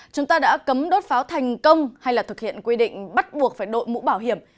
chúng ta đã cấm đốt pháo thành công hay là thực hiện quy định bắt buộc phải đội mũ bảo hiểm